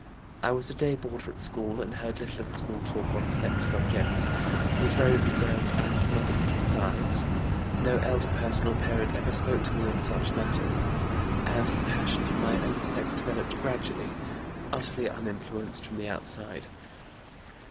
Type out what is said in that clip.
I was a day boarder at school and heard little of school talk on sex subjects, was very reserved and modest besides; no elder person or parent ever spoke to me on such matters; and the passion for my own sex developed gradually, utterly uninfluenced from the outside.